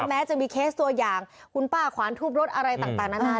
แม้จะมีเคสตัวอย่างคุณป้าขวานทุบรถอะไรต่างนานา